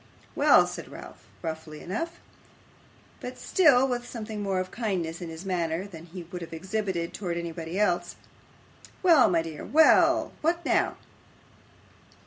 'Well,' said Ralph, roughly enough; but still with something more of kindness in his manner than he would have exhibited towards anybody else. 'Well, my dear. What now?